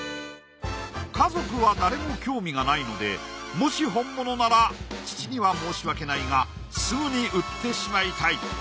家族は誰も興味がないのでもし本物なら父には申し訳ないがすぐに売ってしまいたい。